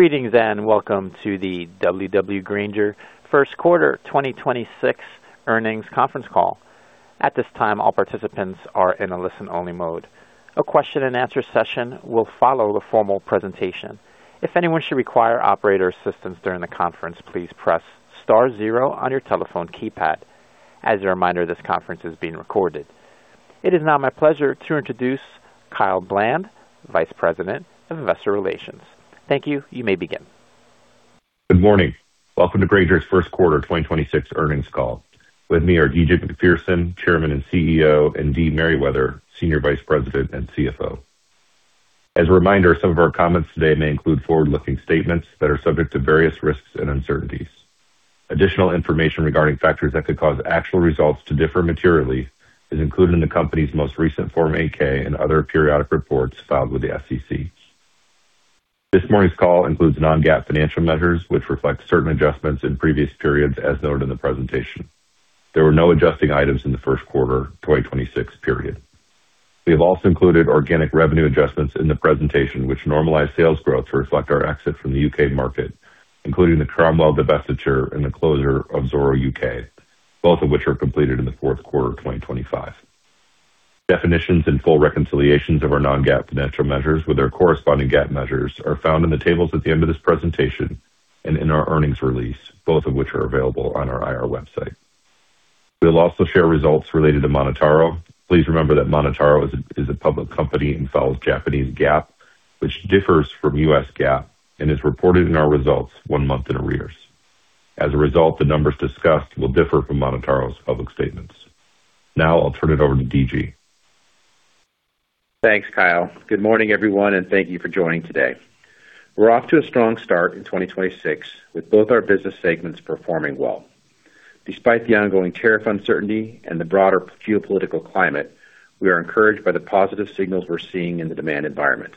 Greetings and welcome to the W.W. Grainger first quarter 2026 earnings conference call. At this time, all participants are in a listen-only mode. A question-and-answer session will follow the formal presentation. If anyone should require operator assistance during the conference, please press star zero on your telephone keypad. As a reminder, this conference is being recorded. It is now my pleasure to introduce Kyle Bland, Vice President of Investor Relations. Thank you. You may begin. Good morning. Welcome to Grainger's first quarter 2026 earnings call. With me are D.G. Macpherson, Chairman and CEO, and Dee Merriwether, Senior Vice President and CFO. As a reminder, some of our comments today may include forward-looking statements that are subject to various risks and uncertainties. Additional information regarding factors that could cause actual results to differ materially is included in the company's most recent Form 8-K and other periodic reports filed with the SEC. This morning's call includes non-GAAP financial measures, which reflect certain adjustments in previous periods as noted in the presentation. There were no adjusting items in the first quarter 2026 period. We have also included organic revenue adjustments in the presentation, which normalize sales growth to reflect our exit from the U.K. market, including the Cromwell divestiture and the closure of Zoro U.K., both of which are completed in the fourth quarter of 2025. Definitions and full reconciliations of our non-GAAP financial measures with our corresponding GAAP measures are found in the tables at the end of this presentation and in our earnings release, both of which are available on our IR website. We'll also share results related to MonotaRO. Please remember that MonotaRO is a public company and follows Japanese GAAP, which differs from U.S. GAAP and is reported in our results one month in arrears. As a result, the numbers discussed will differ from MonotaRO's public statements. Now I'll turn it over to D.G. Thanks, Kyle. Good morning, everyone. Thank you for joining today. We're off to a strong start in 2026 with both our business segments performing well. Despite the ongoing tariff uncertainty and the broader geopolitical climate, we are encouraged by the positive signals we're seeing in the demand environment.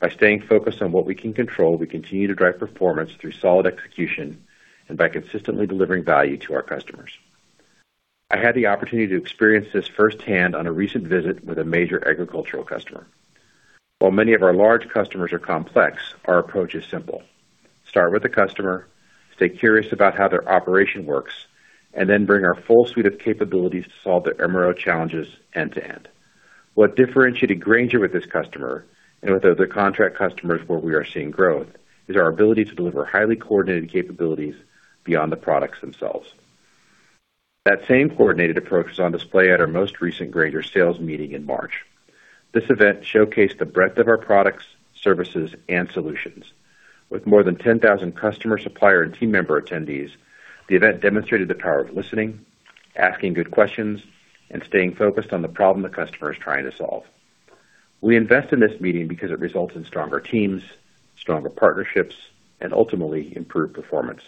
By staying focused on what we can control, we continue to drive performance through solid execution and by consistently delivering value to our customers. I had the opportunity to experience this firsthand on a recent visit with a major agricultural customer. While many of our large customers are complex, our approach is simple. Start with the customer, stay curious about how their operation works, then bring our full suite of capabilities to solve their MRO challenges end to end. What differentiated Grainger with this customer, and with other contract customers where we are seeing growth, is our ability to deliver highly coordinated capabilities beyond the products themselves. That same coordinated approach was on display at our most recent Grainger sales meeting in March. This event showcased the breadth of our products, services, and solutions. With more than 10,000 customer, supplier, and team member attendees, the event demonstrated the power of listening, asking good questions, and staying focused on the problem the customer is trying to solve. We invest in this meeting because it results in stronger teams, stronger partnerships, and ultimately improved performance.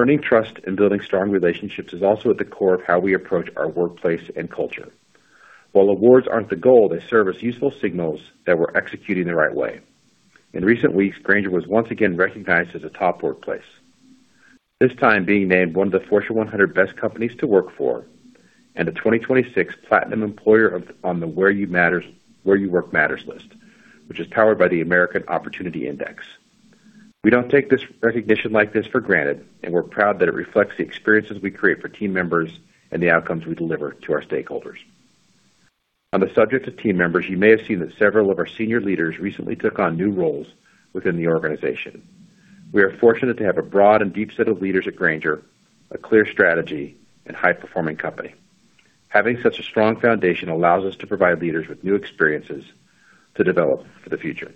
Earning trust and building strong relationships is also at the core of how we approach our workplace and culture. While awards aren't the goal, they serve as useful signals that we're executing the right way. In recent weeks, Grainger was once again recognized as a top workplace, this time being named one of the Fortune 100 Best Companies to Work For and a 2026 Platinum Employer on the Where You Work Matters list, which is powered by the American Opportunity Index. We don't take this recognition like this for granted, and we're proud that it reflects the experiences we create for team members and the outcomes we deliver to our stakeholders. On the subject of team members, you may have seen that several of our senior leaders recently took on new roles within the organization. We are fortunate to have a broad and deep set of leaders at Grainger, a clear strategy and high-performing company. Having such a strong foundation allows us to provide leaders with new experiences to develop for the future.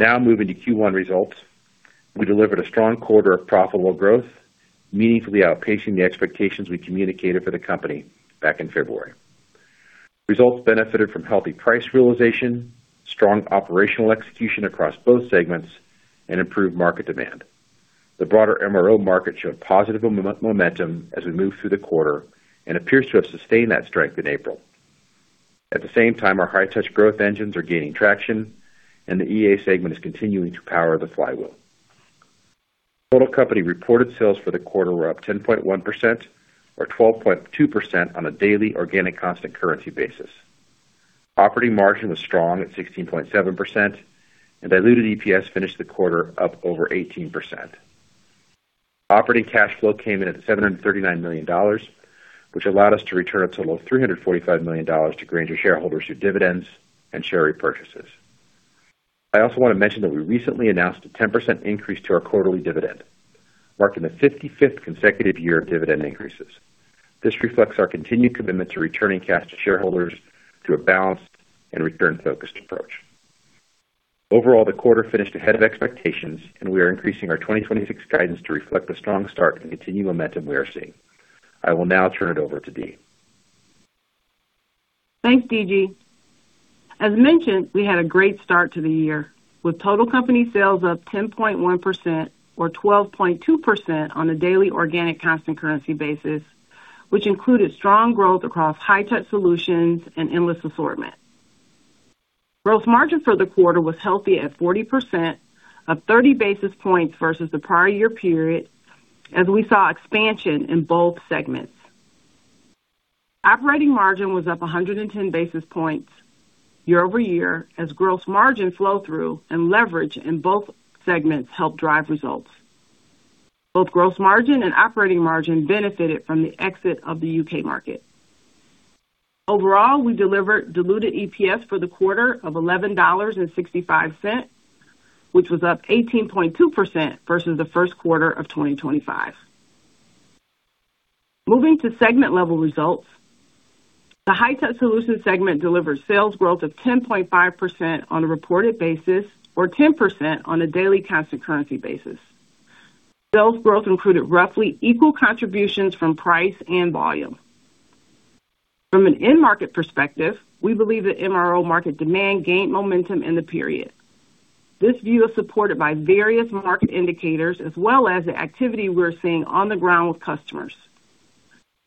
Moving to Q1 results. We delivered a strong quarter of profitable growth, meaningfully outpacing the expectations we communicated for the company back in February. Results benefited from healthy price realization, strong operational execution across both segments, and improved market demand. The broader MRO market showed positive momentum as we moved through the quarter and appears to have sustained that strength in April. At the same time, our High-Touch growth engines are gaining traction, and the EA segment is continuing to power the flywheel. Total company-reported sales for the quarter were up 10.1% or 12.2% on a daily organic constant currency basis. Operating margin was strong at 16.7%, and diluted EPS finished the quarter up over 18%. Operating cash flow came in at $739 million, which allowed us to return a total of $345 million to Grainger shareholders through dividends and share repurchases. I also want to mention that we recently announced a 10% increase to our quarterly dividend, marking the 55th consecutive year of dividend increases. This reflects our continued commitment to returning cash to shareholders through a balanced and return-focused approach. Overall, the quarter finished ahead of expectations, and we are increasing our 2026 guidance to reflect the strong start and continued momentum we are seeing. I will now turn it over to Dee. Thanks, D.G. As mentioned, we had a great start to the year, with total company sales up 10.1% or 12.2% on a daily organic constant currency basis, which included strong growth across High-Touch Solutions and Endless Assortment. Gross margin for the quarter was healthy at 40%, up 30 basis points versus the prior year period, as we saw expansion in both segments. Operating margin was up 110 basis points year-over-year as gross margin flow-through and leverage in both segments helped drive results. Both gross margin and operating margin benefited from the exit of the U.K. market. Overall, we delivered diluted EPS for the quarter of $11.65, which was up 18.2% versus the first quarter of 2025. Moving to segment level results. The High-Touch Solutions segment delivered sales growth of 10.5% on a reported basis or 10% on a daily constant currency basis. Sales growth included roughly equal contributions from price and volume. From an end market perspective, we believe the MRO market demand gained momentum in the period. This view is supported by various market indicators as well as the activity we're seeing on the ground with customers.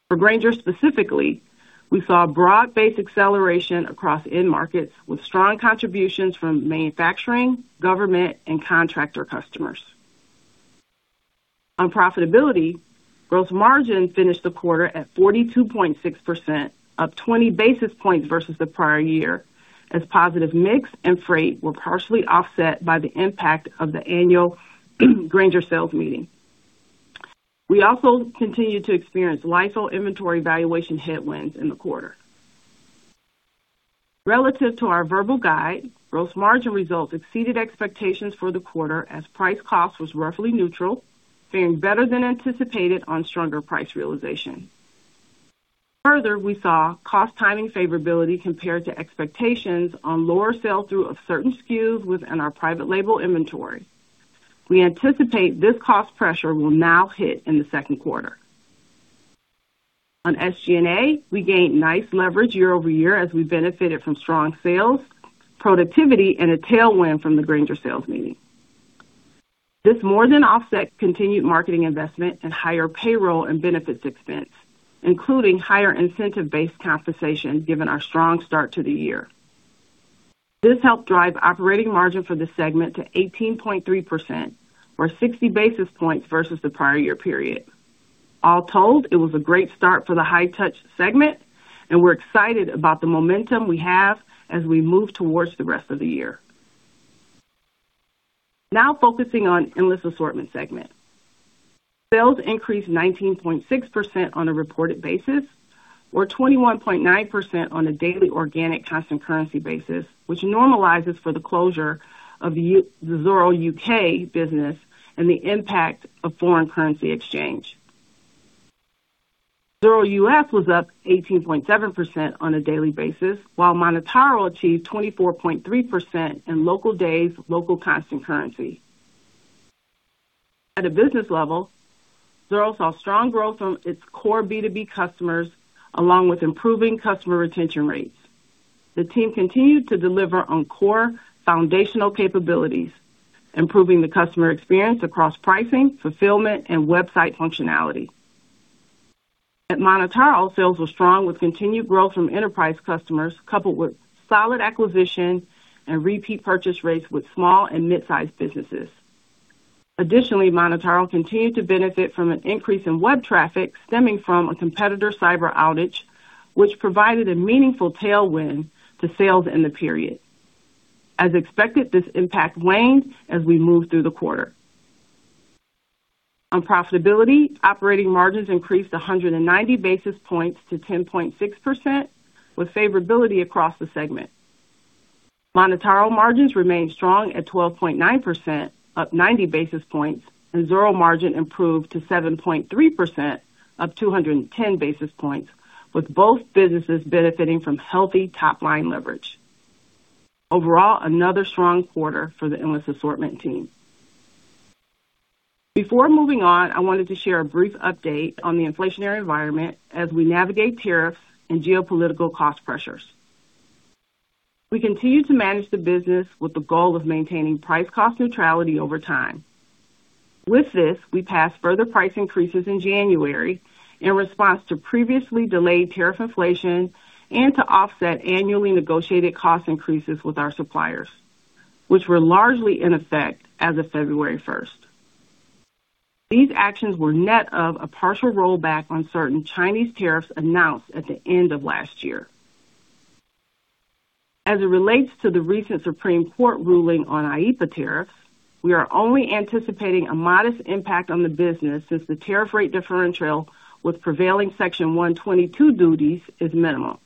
For Grainger specifically, we saw broad-based acceleration across end markets with strong contributions from manufacturing, government, and contractor customers. On profitability, gross margin finished the quarter at 42.6%, up 20 basis points versus the prior year as positive mix and freight were partially offset by the impact of the annual Grainger sales meeting. We also continued to experience LIFO inventory valuation headwinds in the quarter. Relative to our verbal guide, gross margin results exceeded expectations for the quarter as price cost was roughly neutral, faring better than anticipated on stronger price realization. We saw cost timing favorability compared to expectations on lower sell-through of certain SKUs within our private label inventory. We anticipate this cost pressure will now hit in the second quarter. On SG&A, we gained nice leverage year-over-year as we benefited from strong sales, productivity, and a tailwind from the Grainger sales meeting. This more than offset continued marketing investment and higher payroll and benefits expense, including higher incentive-based compensation, given our strong start to the year. This helped drive operating margin for the segment to 18.3% or 60 basis points versus the prior year period. All told, it was a great start for the High-Touch Solutions segment, and we're excited about the momentum we have as we move towards the rest of the year. Now focusing on Endless Assortment segment. Sales increased 19.6% on a reported basis or 21.9% on a daily organic constant currency basis, which normalizes for the closure of the Zoro U.K. business and the impact of foreign currency exchange. Zoro U.S. was up 18.7% on a daily basis, while MonotaRO achieved 24.3% in local days local constant currency. At a business level, Zoro saw strong growth from its core B2B customers along with improving customer retention rates. The team continued to deliver on core foundational capabilities, improving the customer experience across pricing, fulfillment, and website functionality. At MonotaRO, sales were strong with continued growth from enterprise customers, coupled with solid acquisition and repeat purchase rates with small and mid-sized businesses. Additionally, MonotaRO continued to benefit from an increase in web traffic stemming from a competitor cyber outage, which provided a meaningful tailwind to sales in the period. As expected, this impact waned as we moved through the quarter. On profitability, operating margins increased 190 basis points to 10.6% with favorability across the segment. MonotaRO margins remained strong at 12.9%, up 90 basis points, and Zoro margin improved to 7.3%, up 210 basis points, with both businesses benefiting from healthy top-line leverage. Overall, another strong quarter for the Endless Assortment team. Before moving on, I wanted to share a brief update on the inflationary environment as we navigate tariffs and geopolitical cost pressures. We continue to manage the business with the goal of maintaining price-cost neutrality over time. With this, we passed further price increases in January in response to previously delayed tariff inflation and to offset annually negotiated cost increases with our suppliers, which were largely in effect as of February 1st. These actions were net of a partial rollback on certain Chinese tariffs announced at the end of last year. As it relates to the recent Supreme Court ruling on IEEPA tariffs, we are only anticipating a modest impact on the business since the tariff rate differential with prevailing Section 122 duties is minimal.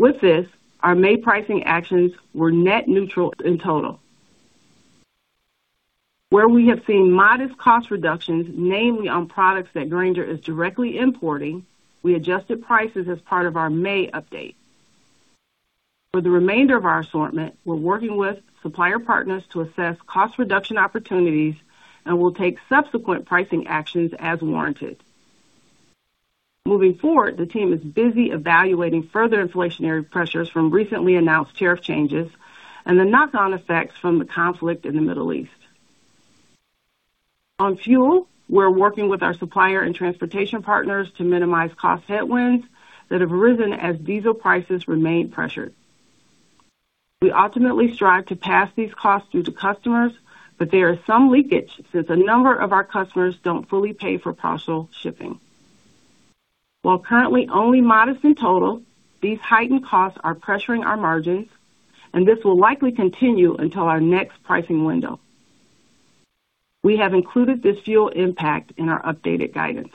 With this, our May pricing actions were net neutral in total. Where we have seen modest cost reductions, namely on products that Grainger is directly importing, we adjusted prices as part of our May update. For the remainder of our assortment, we're working with supplier partners to assess cost reduction opportunities and will take subsequent pricing actions as warranted. Moving forward, the team is busy evaluating further inflationary pressures from recently announced tariff changes and the knock-on effects from the conflict in the Middle East. On fuel, we're working with our supplier and transportation partners to minimize cost headwinds that have risen as diesel prices remain pressured. We ultimately strive to pass these costs through to customers, but there is some leakage since a number of our customers don't fully pay for partial shipping. While currently only modest in total, these heightened costs are pressuring our margins, and this will likely continue until our next pricing window. We have included this fuel impact in our updated guidance.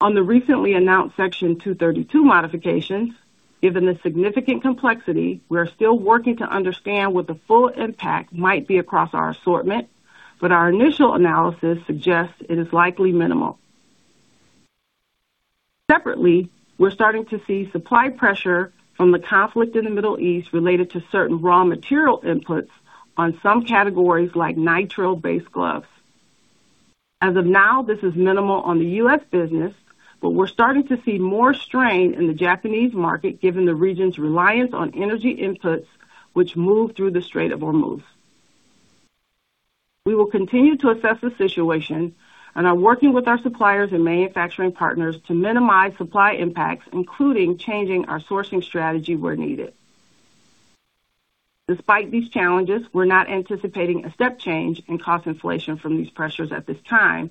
On the recently announced Section 232 modifications, given the significant complexity, we are still working to understand what the full impact might be across our assortment, but our initial analysis suggests it is likely minimal. Separately, we're starting to see supply pressure from the conflict in the Middle East related to certain raw material inputs on some categories, like nitrile-based gloves. As of now, this is minimal on the U.S. business, but we're starting to see more strain in the Japanese market, given the region's reliance on energy inputs which move through the Strait of Hormuz. We will continue to assess the situation and are working with our suppliers and manufacturing partners to minimize supply impacts, including changing our sourcing strategy where needed. Despite these challenges, we're not anticipating a step change in cost inflation from these pressures at this time,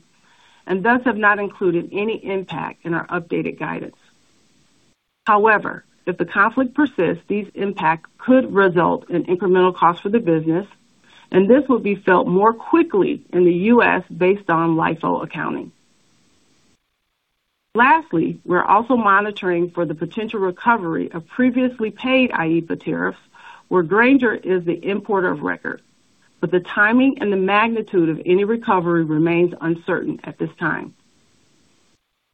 and thus have not included any impact in our updated guidance. However, if the conflict persists, these impacts could result in incremental costs for the business, and this will be felt more quickly in the U.S., based on LIFO accounting. Lastly, we're also monitoring for the potential recovery of previously paid IEEPA tariffs where Grainger is the importer of record, but the timing and the magnitude of any recovery remains uncertain at this time.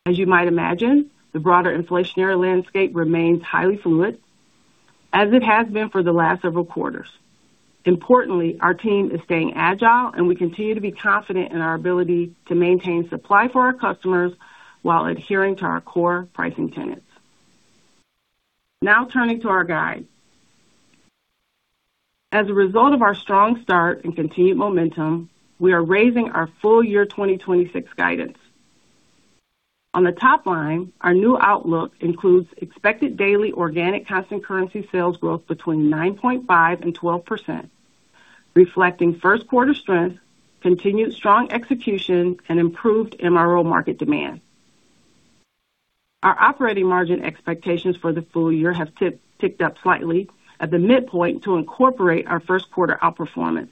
As you might imagine, the broader inflationary landscape remains highly fluid, as it has been for the last several quarters. Importantly, our team is staying agile, and we continue to be confident in our ability to maintain supply for our customers while adhering to our core pricing tenets. Now turning to our guide. As a result of our strong start and continued momentum, we are raising our full-year 2026 guidance. On the top line, our new outlook includes expected daily organic constant currency sales growth between 9.5% and 12%, reflecting first-quarter strength, continued strong execution, and improved MRO market demand. Our operating margin expectations for the full year have ticked up slightly at the midpoint to incorporate our first quarter outperformance.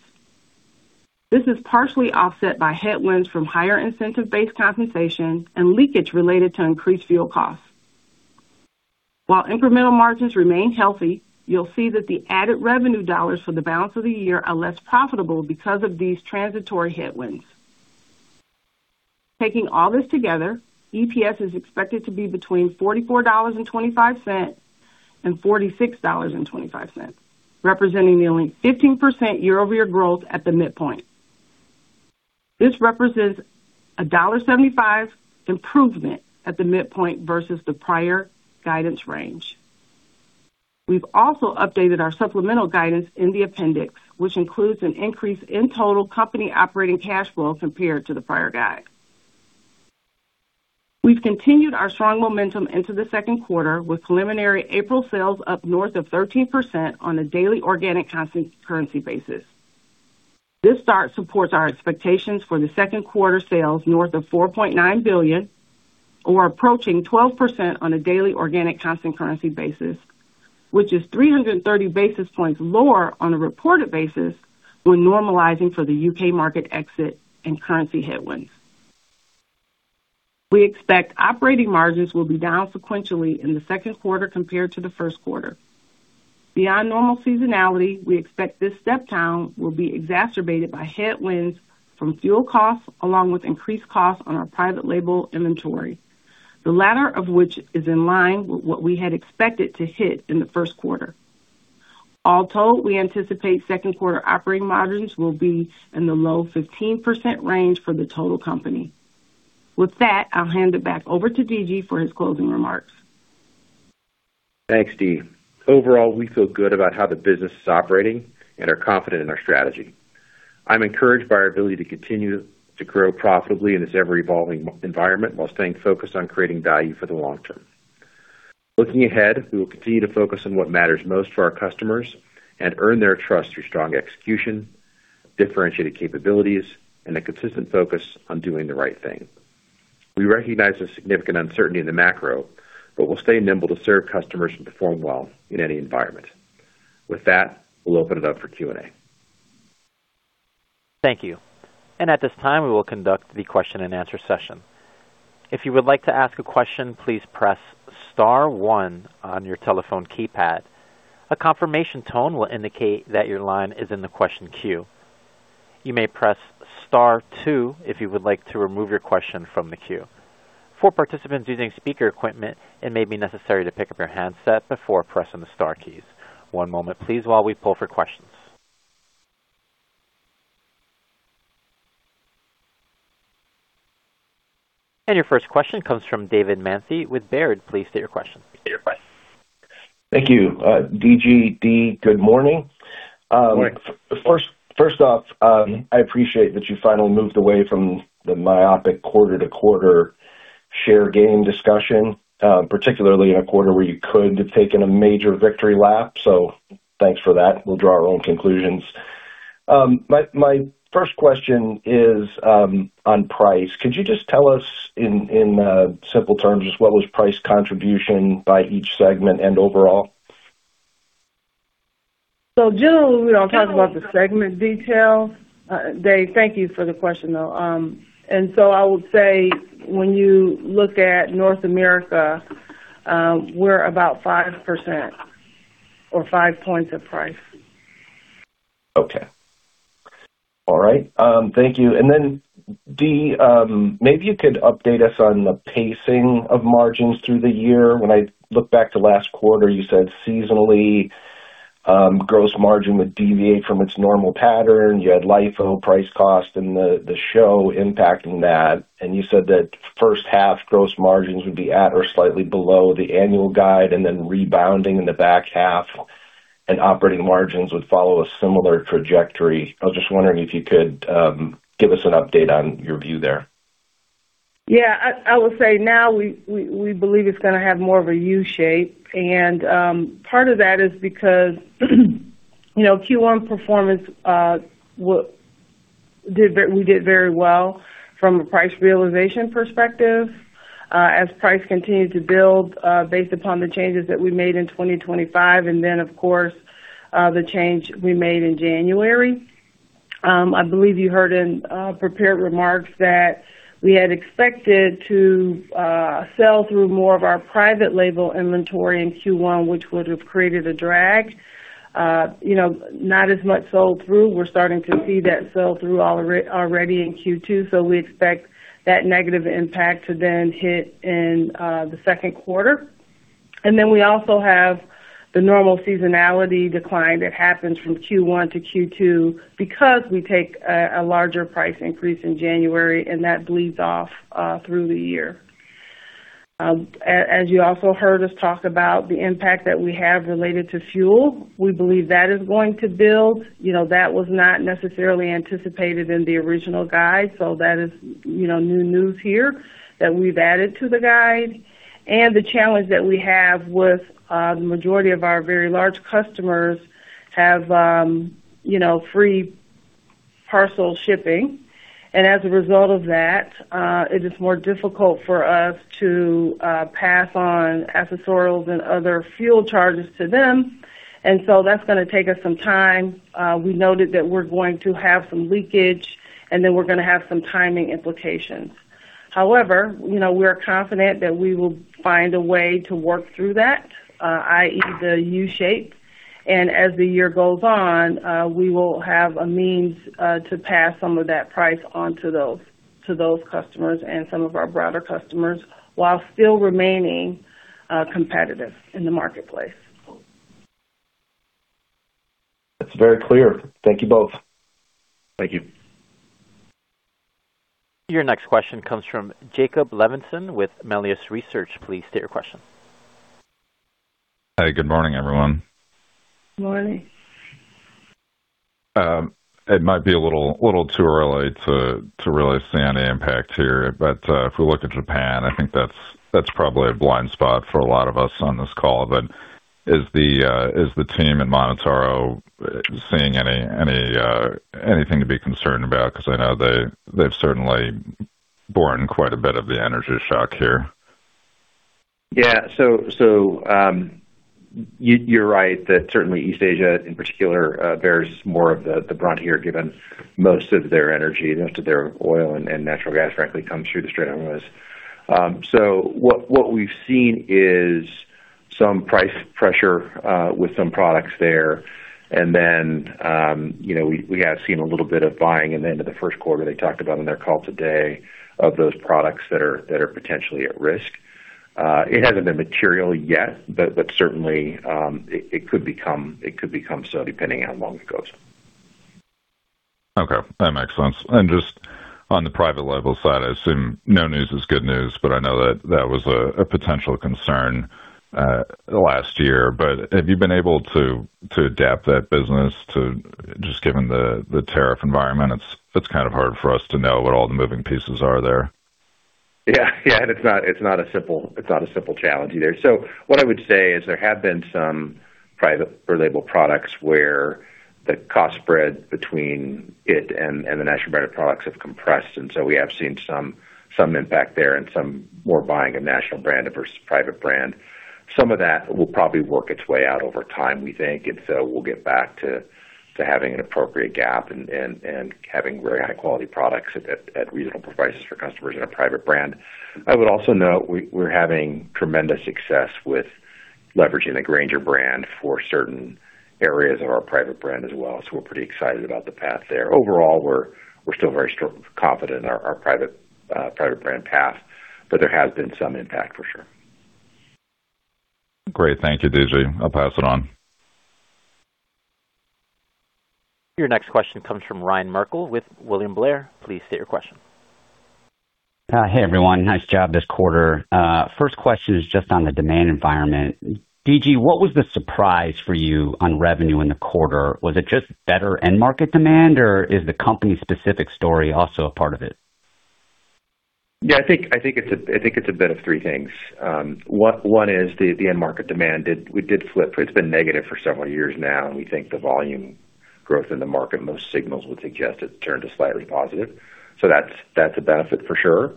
This is partially offset by headwinds from higher incentive-based compensation and leakage related to increased fuel costs. While incremental margins remain healthy, you'll see that the added revenue dollars for the balance of the year are less profitable because of these transitory headwinds. Taking all this together, EPS is expected to be between $44.25 and $46.25, representing nearly 15% year-over-year growth at the midpoint. This represents a $1.75 improvement at the midpoint versus the prior guidance range. We've also updated our supplemental guidance in the appendix, which includes an increase in total company operating cash flow compared to the prior guide. We've continued our strong momentum into the second quarter with preliminary April sales up north of 13% on a daily organic constant currency basis. This start supports our expectations for the second quarter sales north of $4.9 billion or approaching 12% on a daily organic constant currency basis, which is 330 basis points lower on a reported basis when normalizing for the U.K. market exit and currency headwinds. We expect operating margins will be down sequentially in the second quarter compared to the first quarter. Beyond normal seasonality, we expect this step down will be exacerbated by headwinds from fuel costs, along with increased costs on our private label inventory, the latter of which is in line with what we had expected to hit in the first quarter. All told, we anticipate second-quarter operating margins will be in the low 15% range for the total company. With that, I'll hand it back over to D.G. for his closing remarks. Thanks, Dee. Overall, we feel good about how the business is operating and are confident in our strategy. I'm encouraged by our ability to continue to grow profitably in this ever-evolving environment while staying focused on creating value for the long term. Looking ahead, we will continue to focus on what matters most to our customers and earn their trust through strong execution, differentiated capabilities, and a consistent focus on doing the right thing. We recognize the significant uncertainty in the macro, but we'll stay nimble to serve customers and perform well in any environment. With that, we'll open it up for Q&A. Thank you. At this time, we will conduct the question and answer session. If you would like to ask a question, please press star one on your telephone keypad. A confirmation tone will indicate that your line is in the question queue. You may press star two if you would like to remove your question from the queue. For participants using speaker equipment, it may be necessary to pick up your handset before pressing the star keys. One moment, please while we pull for questions. Your first question comes from David Manthey with Baird. Please state your question. Thank you. D.G., Dee, good morning. Good morning. First off, I appreciate that you finally moved away from the myopic quarter-to-quarter share gain discussion, particularly in a quarter where you could have taken a major victory lap. Thanks for that. We'll draw our own conclusions. My first question is on price. Could you just tell us in simple terms, just what was price contribution by each segment and overall? Generally, we don't talk about the segment details. David, thank you for the question, though. I would say when you look at North America, we're about 5% or 5 points of price. Okay. All right. Thank you. Then, Dee, maybe you could update us on the pacing of margins through the year. When I look back to last quarter, you said seasonally, gross margin would deviate from its normal pattern. You had LIFO price cost, and the show impacting that. You said that first-half gross margins would be at or slightly below the annual guide and then rebounding in the back half, and operating margins would follow a similar trajectory. I was just wondering if you could give us an update on your view there. Yeah. I would say now we believe it's gonna have more of a U shape. Part of that is because, you know, Q1 performance, we did very well from a price realization perspective, as price continued to build, based upon the changes that we made in 2025, and then, of course, the change we made in January. I believe you heard in prepared remarks that we had expected to sell through more of our private label inventory in Q1, which would have created a drag. You know, not as much sold through. We're starting to see that sell-through already in Q2, so we expect that negative impact to then hit in the second quarter. Then we also have the normal seasonality decline that happens from Q1 to Q2 because we take a larger price increase in January, and that bleeds off through the year. As you also heard us talk about the impact that we have related to fuel, we believe that is going to build. You know, that was not necessarily anticipated in the original guide, so that is, you know, new news here that we've added to the guide. The challenge that we have with the majority of our very large customers have, you know, free parcel shipping. As a result of that, it is more difficult for us to pass on accessorials and other fuel charges to them. That's gonna take us some time. We noted that we're going to have some leakage, and then we're gonna have some timing implications. However, you know, we are confident that we will find a way to work through that, i.e., the U shape. As the year goes on, we will have a means to pass some of that price on to those customers and some of our broader customers while still remaining competitive in the marketplace. That's very clear. Thank you both. Thank you. Your next question comes from Jacob Levinson with Melius Research. Please state your question. Hey, good morning, everyone. Morning. It might be a little too early to really see any impact here. If we look at Japan, I think that's probably a blind spot for a lot of us on this call. Is the team in MonotaRO seeing any anything to be concerned about? Because I know they've certainly borne quite a bit of the energy shock here. You're right that certainly East Asia in particular bears more of the brunt here, given most of their energy, most of their oil and natural gas, frankly, comes through the Strait of Hormuz. What we've seen is some price pressure with some products there. You know, we have seen a little bit of buying in the end of the first quarter, they talked about on their call today of those products that are potentially at risk. It hasn't been material yet, but certainly it could become so depending on how long it goes. Okay. That makes sense. Just on the private label side, I assume no news is good news, but I know that was a potential concern last year. Have you been able to adapt that business to just given the tariff environment? It's, it's kind of hard for us to know what all the moving pieces are there. Yeah. Yeah. It's not a simple challenge either. What I would say is there have been some private label products where the cost spread between it and the national brand products have compressed, and we have seen some impact there and some more buying a national brand versus private brand. Some of that will probably work its way out over time, we think, we'll get back to having an appropriate gap and having very high-quality products at reasonable prices for customers in our private brand. I would also note we're having tremendous success with leveraging the Grainger brand for certain areas of our private brand as well. We're pretty excited about the path there. Overall, we're still very confident in our private brand path, but there has been some impact for sure. Great. Thank you, D.G.. I'll pass it on. Your next question comes from Ryan Merkel with William Blair. Please state your question. Hey, everyone. Nice job this quarter. First question is just on the demand environment. D.G., what was the surprise for you on revenue in the quarter? Was it just better end-market demand, or is the company-specific story also a part of it? Yeah, I think it's a bit of three things. One is the end market demand we did flip. It's been negative for several years now. We think the volume growth in the market, most signals would suggest it turned to slightly positive. That's a benefit for sure.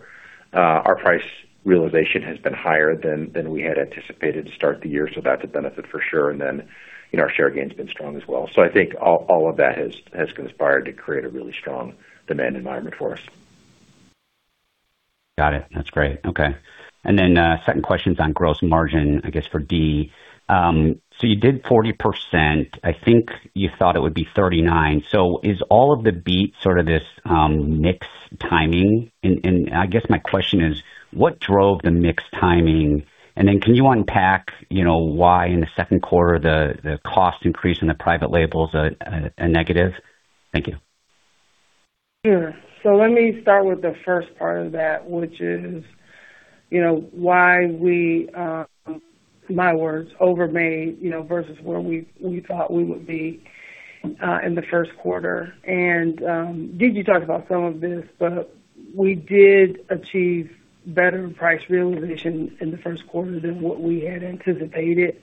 Our price realization has been higher than we had anticipated to start the year, so that's a benefit for sure. You know, our share gain's been strong as well. I think all of that has conspired to create a really strong demand environment for us. Got it. That's great. Okay. Second question's on gross margin, I guess for Dee. You did 40%. I think you thought it would be 39%. Is all of the beat sort of this mix timing? I guess my question is: What drove the mix timing? Can you unpack, you know, why in the second quarter the cost increase in the private label is a negative? Thank you. Sure. Let me start with the first part of that, which is, you know, why we, my words, over-made, you know, versus where we thought we would be in the first quarter. D.G. talked about some of this, but we did achieve better price realization in the first quarter than what we had anticipated,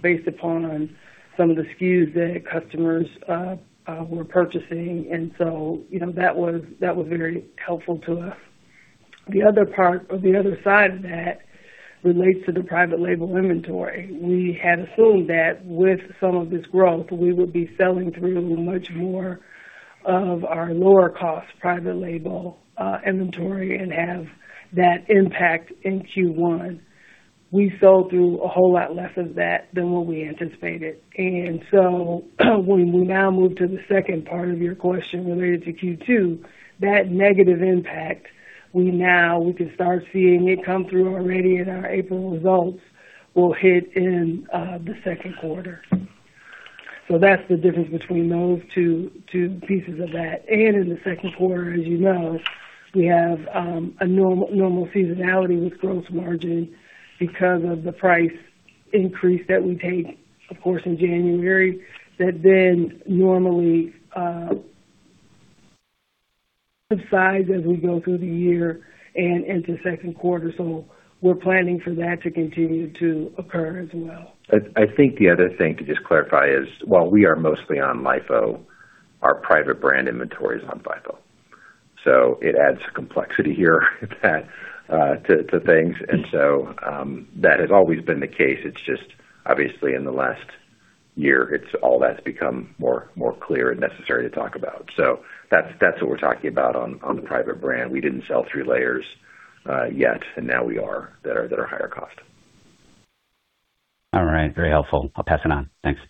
based upon some of the SKUs that customers were purchasing. You know, that was very helpful to us. The other part, or the other side of that, relates to the private label inventory. We had assumed that with some of this growth, we would be selling through much more of our lower-cost private-label inventory and have that impact in Q1. We sold through a whole lot less of that than what we anticipated. When we now move to the second part of your question related to Q2, that negative impact, we can start seeing it come through already in our April results, will hit in the second quarter. That's the difference between those two pieces of that. In the second quarter, as you know, we have a normal seasonality with gross margin because of the price increase that we take, of course, in January, that normally subsides as we go through the year and into second quarter. We're planning for that to continue to occur as well. I think the other thing to just clarify is while we are mostly on LIFO, our private brand inventory is on FIFO. It adds a complexity here to that, to things. That has always been the case. It's just obviously in the last year, it's all that's become more clear and necessary to talk about. That's what we're talking about on the private brand. We didn't sell through layers yet, and now we are, that are higher cost. All right. Very helpful. I'll pass it on. Thanks.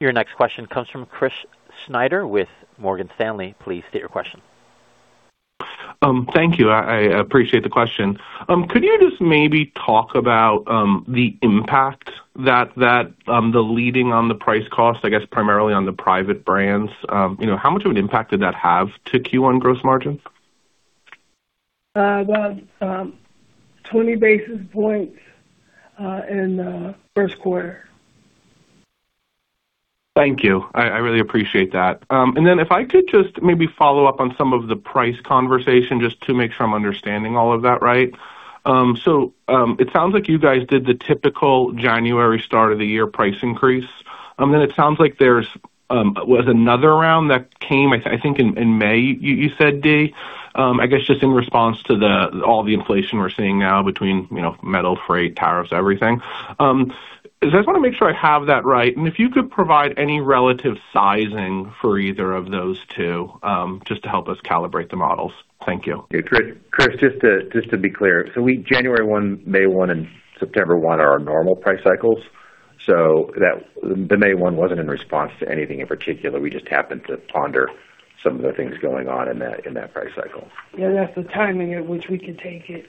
Your next question comes from Chris Snyder with Morgan Stanley. Please state your question. Thank you. I appreciate the question. Could you just maybe talk about the impact that the leading on the price cost, I guess primarily on the private brands? You know, how much of an impact did that have to Q1 gross margin? About 20 basis points in the first quarter. Thank you. I really appreciate that. If I could just maybe follow up on some of the price conversation, just to make sure I'm understanding all of that right. It sounds like you guys did the typical January start of the year price increase. It sounds like there's was another round that came in May, you said, Dee. I guess just in response to all the inflation we're seeing now, between, you know, metal, freight, tariffs, everything. I just wanna make sure I have that right. If you could provide any relative sizing for either of those two, just to help us calibrate the models. Thank you. Hey, Chris, just to be clear. January 1, May 1, and September 1 are our normal price cycles. The May 1 wasn't in response to anything in particular. We just happened to ponder some of the things going on in that price cycle. Yeah, that's the timing at which we can take it.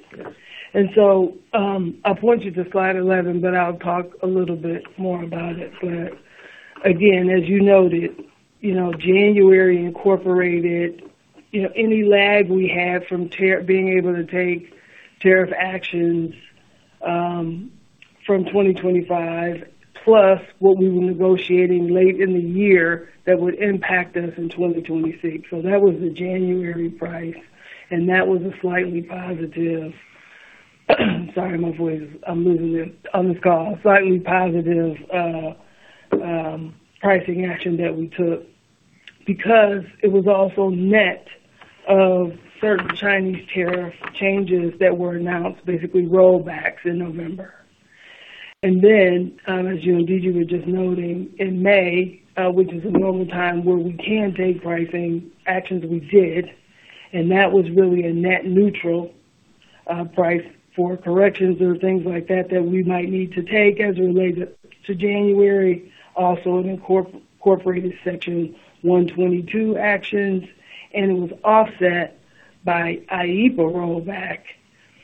I'll point you to slide 11, but I'll talk a little bit more about it. Again, as you noted, you know, January incorporated, you know, any lag we had from being able to take tariff actions from 2025, plus what we were negotiating late in the year that would impact us in 2026. That was the January price, and that was a slightly positive. Sorry, my voice, I'm losing it on this call. Slightly positive pricing action that we took because it was also net of certain Chinese tariff changes that were announced, basically rollbacks in November. As you and D.G. were just noting, in May, which is a normal time where we can take pricing actions, we did, and that was really a net neutral price for corrections or things like that we might need to take as related to January. Also, it incorporated Section 122 actions, and it was offset by IEEPA rollback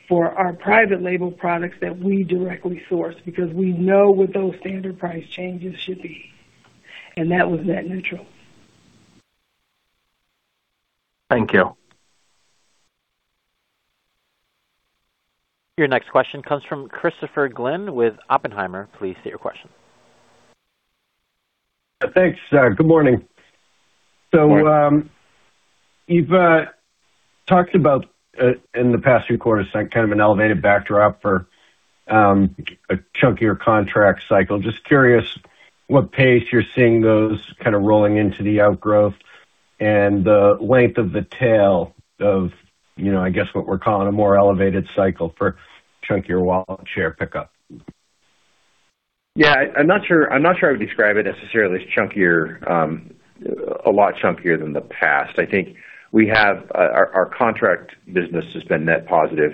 for our private label products that we directly source because we know what those standard price changes should be, and that was net neutral. Thank you. Your next question comes from Christopher Glynn with Oppenheimer. Please state your question. Thanks, good morning. Morning. You've talked about in the past few quarters, kind of an elevated backdrop for a chunkier contract cycle. Just curious what pace you're seeing those kind of rolling into the outgrowth and the length of the tail of, you know, I guess, what we're calling a more elevated cycle for chunkier wallet share pickup? I'm not sure, I'm not sure I would describe it necessarily as chunkier, a lot chunkier than the past. I think our contract business has been net positive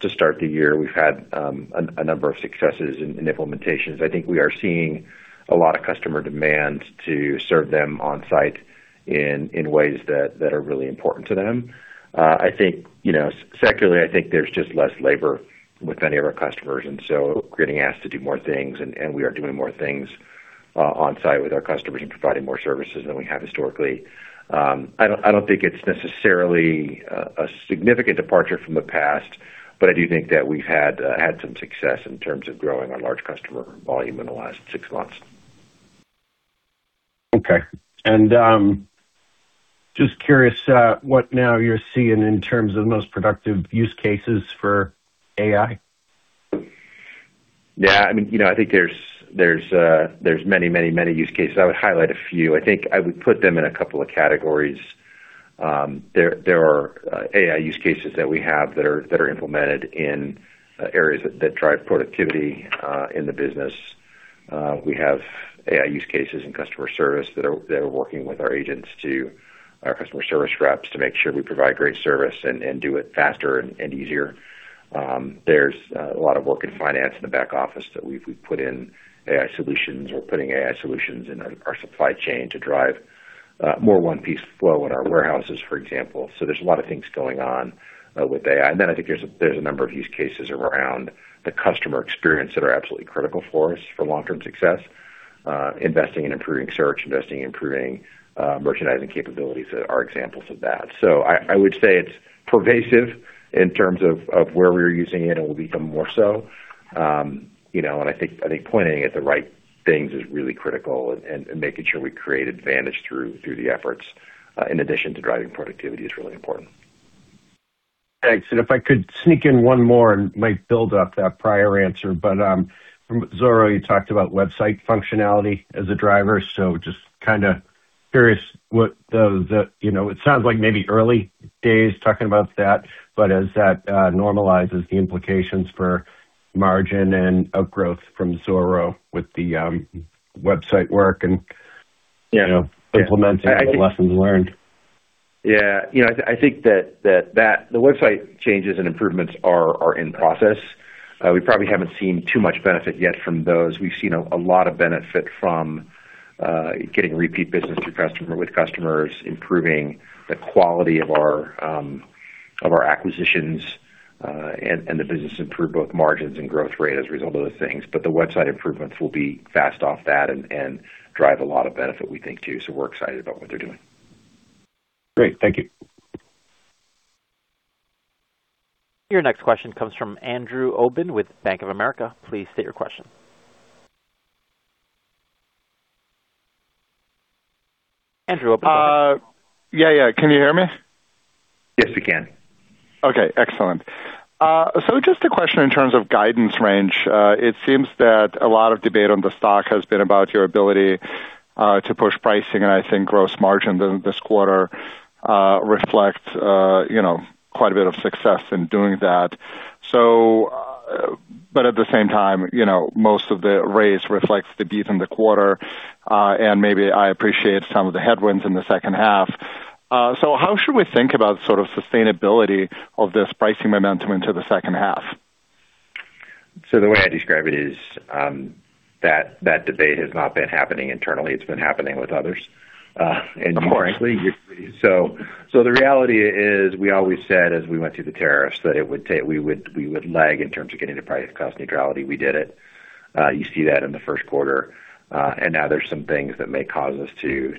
to start the year. We've had a number of successes in implementations. I think we are seeing a lot of customer demand to serve them on-site in ways that are really important to them. I think, you know, secularly, I think there's just less labor with many of our customers, and so we're getting asked to do more things, and we are doing more things on-site with our customers and providing more services than we have historically. I don't think it's necessarily a significant departure from the past, but I do think that we've had some success in terms of growing our large customer volume in the last six months. Okay. Just curious, what now you're seeing in terms of the most productive use cases for AI? Yeah, I mean, you know, I think there's many use cases. I would highlight a few. I think I would put them in a couple of categories. There are AI use cases that we have that are implemented in areas that drive productivity in the business. We have AI use cases in customer service that are working with our agents to our customer service reps to make sure we provide great service and do it faster and easier. There's a lot of work in finance in the back office that we've put in AI solutions. We're putting AI solutions in our supply chain to drive more one-piece flow in our warehouses, for example. There's a lot of things going on with AI. I think there's a number of use cases around the customer experience that are absolutely critical for us for long-term success. Investing in improving search, investing in improving merchandising capabilities are examples of that. I would say it's pervasive in terms of where we're using it and will become more so. You know, I think pointing at the right things is really critical and making sure we create advantage through the efforts in addition to driving productivity is really important. Thanks. If I could sneak in one more, and might build off that prior answer, but from Zoro you talked about website functionality as a driver, so just kinda curious what the, you know, it sounds like maybe early days talking about that, but as that normalizes the implications for margin and outgrowth from Zoro with the website work. Yeah. You know, implementing the lessons learned. Yeah. You know, I think that the website changes and improvements are in process. We probably haven't seen too much benefit yet from those. We've seen a lot of benefit from getting repeat business with customers, improving the quality of our acquisitions, and the business improve both margins and growth rate as a result of those things. The website improvements will be fast off that and drive a lot of benefit, we think, too. We're excited about what they're doing. Great. Thank you. Your next question comes from Andrew Obin with Bank of America. Please state your question. Andrew? Yeah. Can you hear me? Yes, we can. Okay, excellent. Just a question in terms of guidance range. It seems that a lot of debate on the stock has been about your ability to push pricing, and I think gross margin this quarter reflects, you know, quite a bit of success in doing that. At the same time, you know, most of the raise reflects the beat in the quarter, and maybe I appreciate some of the headwinds in the second half. How should we think about sort of sustainability of this pricing momentum into the second half? The way I describe it is that debate has not been happening internally. It's been happening with others and correctly. The reality is, we always said as we went through the tariffs that we would lag in terms of getting to price cost neutrality. We did it. You see that in the first quarter. Now there's some things that may cause us to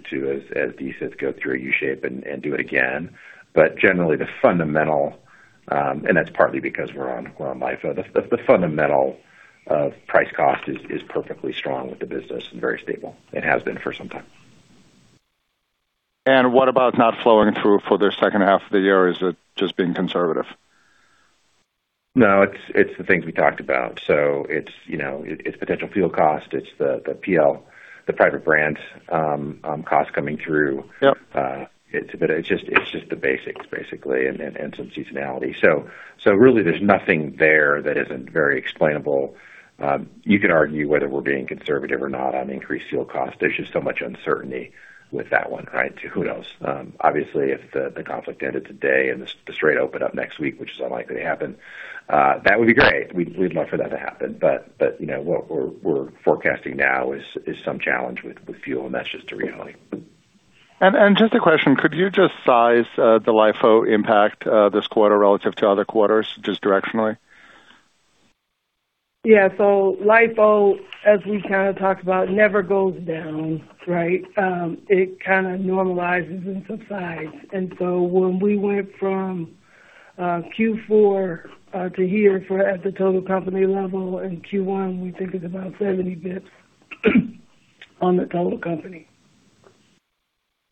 as these go through a U shape do it again. Generally, the fundamental, and that's partly because we're on LIFO. The fundamental of price cost is perfectly strong with the business and very stable. It has been for some time. What about not flowing through for the second half of the year? Is it just being conservative? No, it's the things we talked about. It's, you know, it's potential fuel cost, it's the PL, the private brand cost coming through. Yep. It's just, it's just the basics, basically and some seasonality. Really, there's nothing there that isn't very explainable. You could argue whether we're being conservative or not on increased fuel cost. There's just so much uncertainty with that one, right? Who knows? Obviously, if the conflict ended today and the strait opened up next week, which is unlikely to happen, that would be great. We'd love for that to happen. You know, what we're forecasting now is some challenge with fuel, and that's just the reality. Just a question. Could you just size the LIFO impact this quarter relative to other quarters, just directionally? Yeah. LIFO, as we kind of talked about, never goes down, right? It kind of normalizes and subsides. When we went from Q4 to here for at the total company level in Q1, we think it's about 70 basis points on the total company.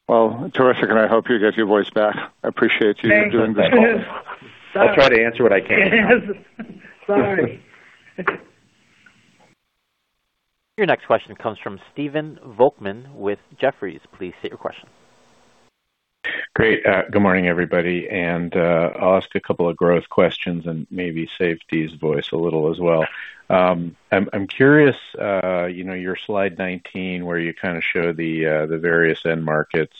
Well, terrific, and I hope you get your voice back. I appreciate you doing this. Thanks. I'll try to answer what I can. Sorry. Your next question comes from Stephen Volkmann with Jefferies. Please state your question. Great. Good morning, everybody. I'll ask a couple of growth questions and maybe save Dee's voice a little as well. I'm curious, you know, your slide 19, where you kind of show the various end markets,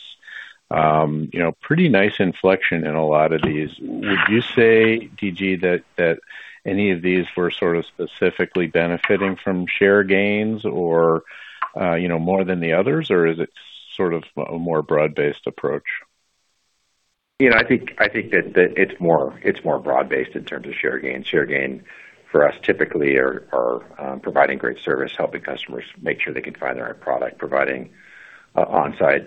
you know, pretty nice inflection in a lot of these. Would you say, D.G., that any of these were sort of specifically benefiting from share gains or, you know, more than the others? Is it sort of a more broad-based approach? You know, I think that it's more broad-based in terms of share gains. Share gain for us typically are providing great service, helping customers make sure they can find the right product, providing on-site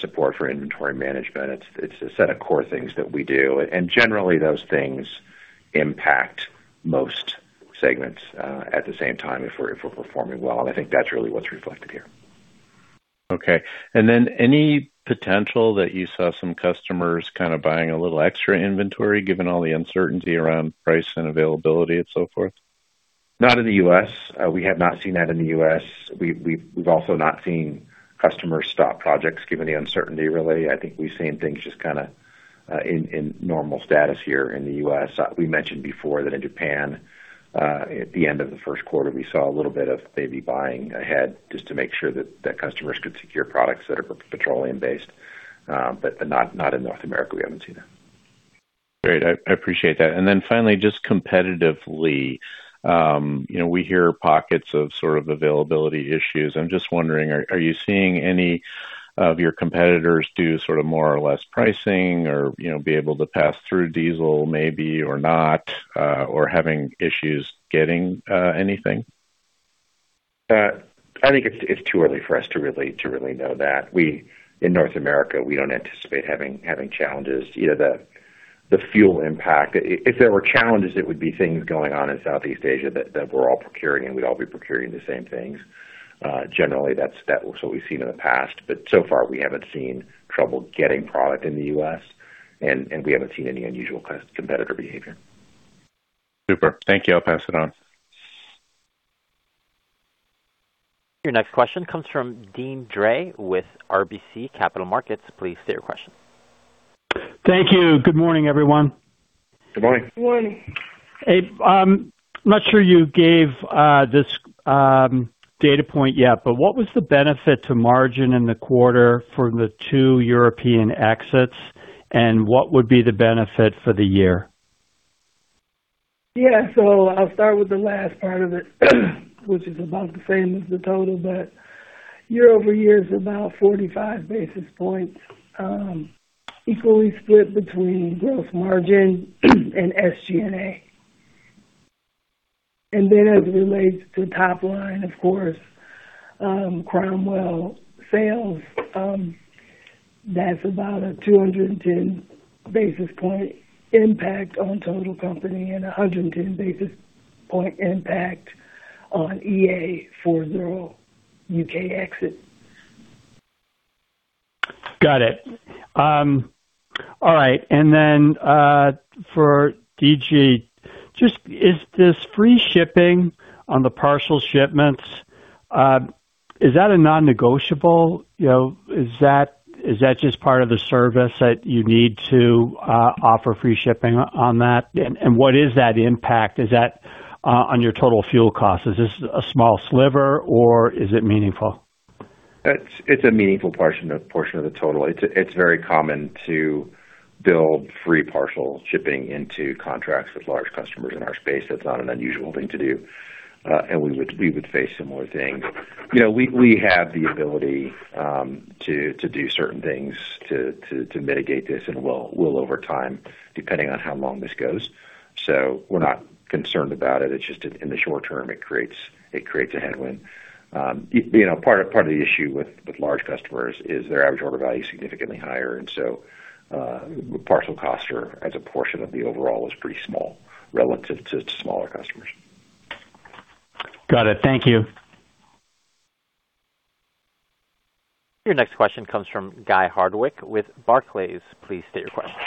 support for inventory management. It's a set of core things that we do. Generally, those things impact most segments at the same time if we're performing well. I think that's really what's reflected here. Okay. Any potential that you saw some customers kind of buying a little extra inventory, given all the uncertainty around price, and availability and so forth? Not in the U.S. We have not seen that in the U.S. We've also not seen customers stop projects given the uncertainty, really. I think we've seen things just kinda in normal status here in the U.S. We mentioned before that in Japan, at the end of the first quarter, we saw a little bit of maybe buying ahead just to make sure that customers could secure products that are petroleum-based. Not in North America, we haven't seen that. Great. I appreciate that. Finally, just competitively, you know, we hear pockets of sort of availability issues. I'm just wondering, are you seeing any of your competitors do sort of more or less pricing, or, you know, be able to pass through diesel maybe or not, or having issues getting anything? I think it's too early for us to really know that. In North America, we don't anticipate having challenges. You know, the fuel impact, if there were challenges, it would be things going on in Southeast Asia that we're all procuring, and we'd all be procuring the same things. Generally, that's what we've seen in the past, but so far we haven't seen trouble getting product in the U.S., and we haven't seen any unusual kinds of competitor behavior. Super. Thank you. I'll pass it on. Your next question comes from Deane Dray with RBC Capital Markets. Please state your question. Thank you. Good morning, everyone. Good morning. Good morning. Dee, I'm not sure you gave this data point yet, but what was the benefit to margin in the quarter for the two European exits, and what would be the benefit for the year? I'll start with the last part of it, which is about the same as the total, but year-over-year is about 45 basis points, equally split between gross margin and SG&A. As it relates to top line, of course, Cromwell sales, that's about a 210 basis point impact on total company and a 110 basis point impact on EA Zoro U.K. exit. Got it. All right. For D.G., just is this free shipping on the partial shipments, is that a non-negotiable? You know, is that just part of the service that you need to offer free shipping on that? What is that impact? Is that on your total fuel cost? Is this a small sliver or is it meaningful? It's a meaningful portion of the total. It's very common to build free partial shipping into contracts with large customers in our space. That's not an unusual thing to do. We would face similar things. You know, we have the ability to do certain things to mitigate this, and will over time, depending on how long this goes. We're not concerned about it. It's just in the short term, it creates a headwind. You know, part of the issue with large customers is their average order value is significantly higher, parcel costs are as a portion of the overall is pretty small relative to smaller customers. Got it. Thank you. Your next question comes from Guy Hardwick with Barclays. Please state your question.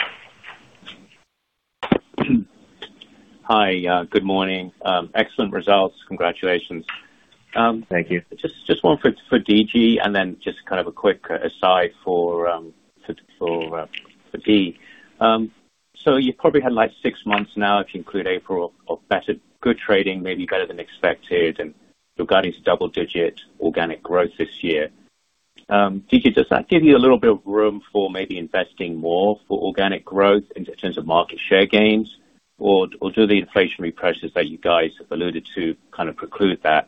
Hi. Good morning. Excellent results. Congratulations. Thank you. Just one for D.G. and then just kind of a quick aside for Dee. You've probably had like six months now to include April of better, good trading, maybe better than expected, and you're guiding to double-digit organic growth this year. D.G., does that give you a little bit of room for maybe investing more for organic growth in terms of market share gains? Or do the inflationary pressures that you guys alluded to kind of preclude that?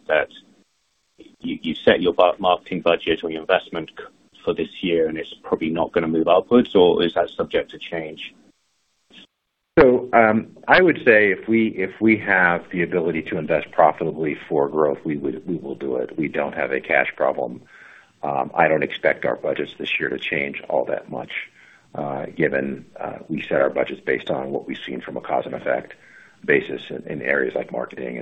You set your marketing budget or your investment for this year, and it's probably not gonna move upwards or is that subject to change? I would say if we, if we have the ability to invest profitably for growth, we will do it. We don't have a cash problem. I don't expect our budgets this year to change all that much, given, we set our budgets based on what we've seen from a cause and effect basis in areas like marketing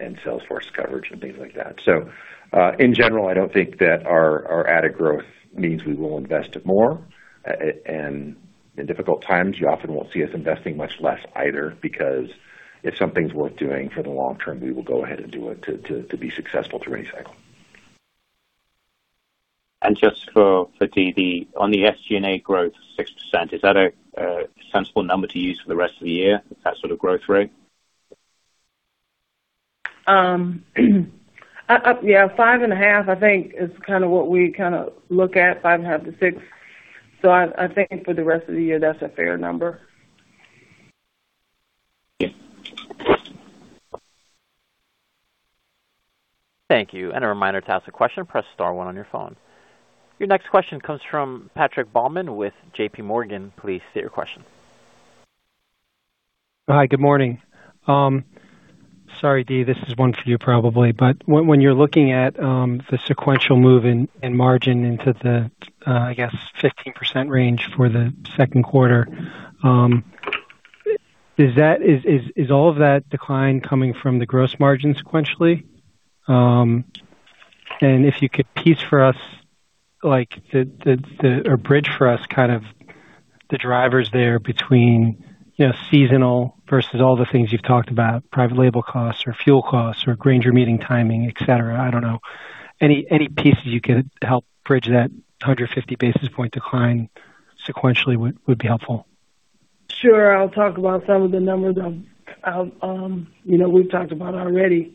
and sales force coverage and things like that. In general, I don't think that our added growth means we will invest more. And in difficult times, you often won't see us investing much less either, because if something's worth doing for the long term, we will go ahead and do it to be successful through any cycle. Just for Dee, on the SG&A growth 6%, is that a sensible number to use for the rest of the year, that sort of growth rate? Yeah, 5.5%, I think, is kinda what we kinda look at, 5.5%-6%. I think for the rest of the year that's a fair number. Yeah. Thank you. A reminder, to ask a question, press star one on your phone. Your next question comes from Patrick Baumann with JPMorgan. Please state your question. Hi, good morning. Sorry, Dee, this is one for you probably. When you're looking at the sequential move in margin into the, I guess, 15% range for the second quarter, is all of that decline coming from the gross margin sequentially? If you could piece for us like the, or bridge for us kind of the drivers there between, you know, seasonal versus all the things you've talked about, private label costs or fuel costs or Grainger meeting timing, et cetera. I don't know. Any pieces you could help bridge that 150 basis point decline sequentially would be helpful. Sure. I'll talk about some of the numbers I've. You know, we've talked about already.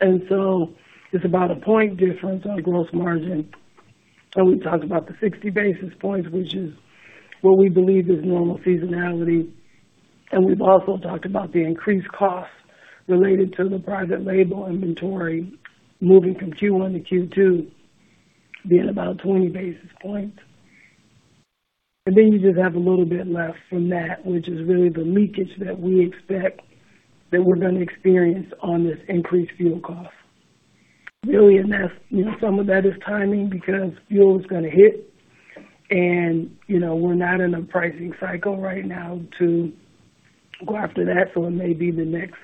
It's about a point difference on gross margin. We've talked about the 60 basis points, which is what we believe is normal seasonality. We've also talked about the increased costs related to the private label inventory moving from Q1 to Q2, being about 20 basis points. You just have a little bit left from that, which is really the leakage that we expect that we're gonna experience on this increased fuel cost. Really, you know, some of that is timing because fuel's gonna hit and, you know, we're not in a pricing cycle right now to go after that. It may be the next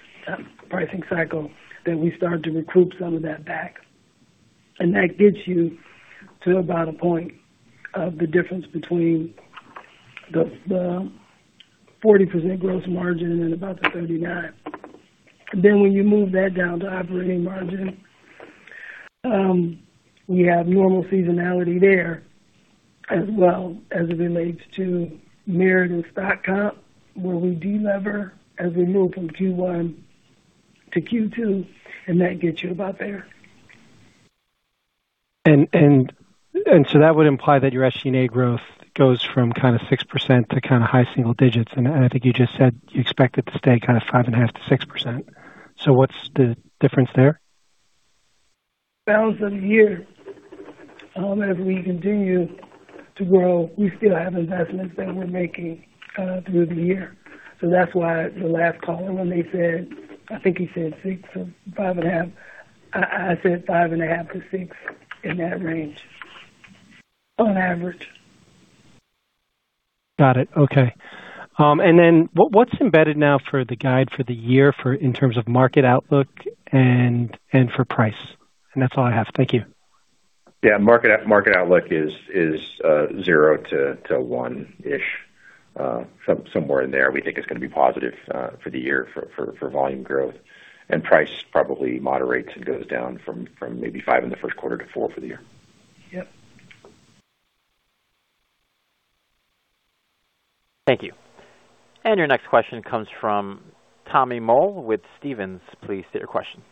pricing cycle that we start to recruit some of that back. That gets you to about a point of the difference between the 40% gross margin and about the 39%. When you move that down to operating margin, we have normal seasonality there as well as it relates to merit and stock comp, where we de-lever as we move from Q1 to Q2, and that gets you about there. That would imply that your SG&A growth goes from kinda 6% to kinda high single digits. I think you just said you expect it to stay kinda 5.5%-6%. What's the difference there? That was for the year. As we continue to grow, we still have investments that we're making through the year. That's why the last caller, when they said, I think he said 6% or 5.5%, I said 5.5%-6%, in that range, on average. Got it. Okay. Then what's embedded now for the guide for the year in terms of market outlook and for price? That's all I have. Thank you. Yeah. Market outlook is 0 to 1-ish somewhere in there. We think it's gonna be positive for the year for volume growth. Price probably moderates and goes down from maybe five in the first quarter to four for the year. Yep. Thank you. Your next question comes from Tommy Moll with Stephens. Please state your question.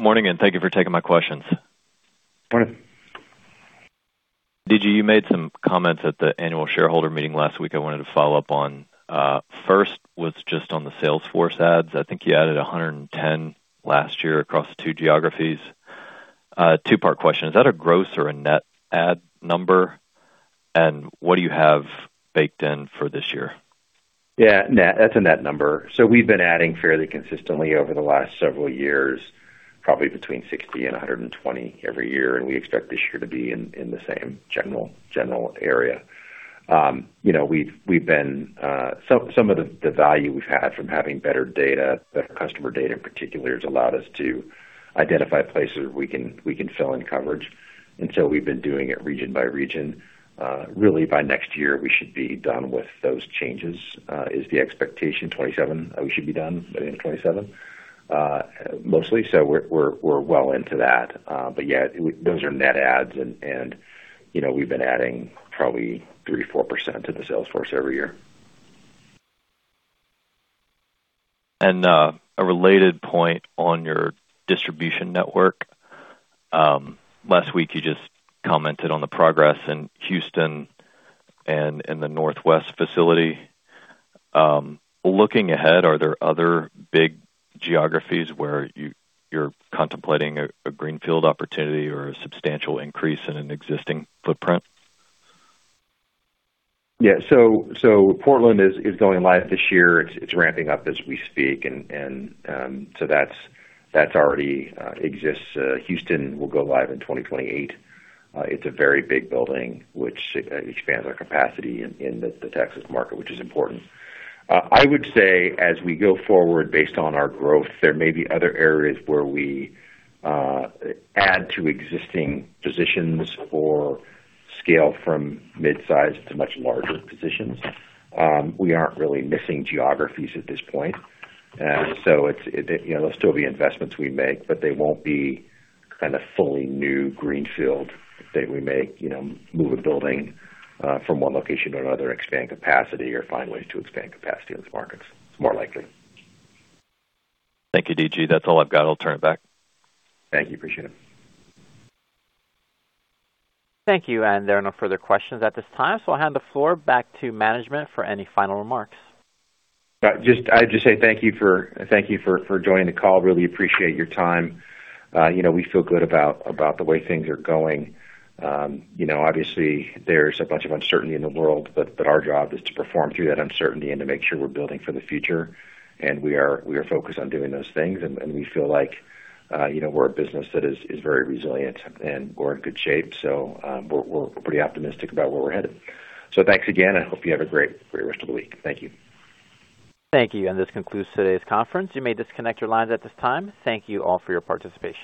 Morning, and thank you for taking my questions. Morning. D.G., you made some comments at the annual shareholder meeting last week I wanted to follow up on. First was just on the sales force adds. I think you added 110 last year across the two geographies. Two-part question. Is that a gross or a net add number? What do you have baked in for this year? Net. That's a net number. We've been adding fairly consistently over the last several years, probably between 60 and 120 every year, and we expect this year to be in the same general area. You know, we've been. Some of the value we've had from having better data, better customer data in particular, has allowed us to identify places we can fill in coverage. We've been doing it region by region. Really, by next year, we should be done with those changes, is the expectation. 2027, we should be done by the end of 2027 mostly. We're well into that. Yeah, those are net adds and, you know, we've been adding probably 3%-4% to the sales force every year. A related point on your distribution network. Last week, you just commented on the progress in Houston and in the Northwest facility. Looking ahead, are there other big geographies where you're contemplating a greenfield opportunity or a substantial increase in an existing footprint? Yeah. Portland is going live this year. It's ramping up as we speak, and that already exists. Houston will go live in 2028. It's a very big building which expands our capacity in the Texas market, which is important. I would say as we go forward, based on our growth, there may be other areas where we add to existing positions or scale from mid-size to much larger positions. We aren't really missing geographies at this point. It's, you know, there'll still be investments we make, but they won't be kind of fully new greenfield that we make. You know, move a building from one location to another, expand capacity or find ways to expand capacity in these markets. It's more likely. Thank you, D.G. That's all I've got. I'll turn it back. Thank you. Appreciate it. Thank you. There are no further questions at this time, I'll hand the floor back to management for any final remarks. I'll just say thank you for joining the call. Really appreciate your time. You know, we feel good about the way things are going. You know, obviously, there's a bunch of uncertainty in the world, but our job is to perform through that uncertainty and to make sure we're building for the future. We are focused on doing those things, and we feel like, you know, we're a business that is very resilient and we're in good shape. We're pretty optimistic about where we're headed. Thanks again, and hope you have a great rest of the week. Thank you. Thank you. This concludes today's conference. You may disconnect your lines at this time. Thank you all for your participation.